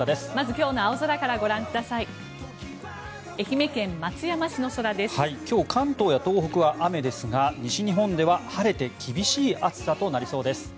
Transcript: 今日関東や東北は雨ですが西日本では晴れて厳しい暑さとなりそうです。